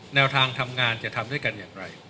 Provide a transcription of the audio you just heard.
แนวทางทำงานจะทำด้วยกันอย่างไร